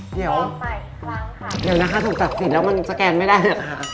เดี๋ยวนะคะถูกตัดสินแล้วมันสแกนไม่ได้เหรอคะ